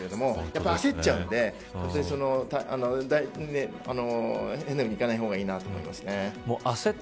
やっぱり焦っちゃうので変に見に行かない方がいいなと思います。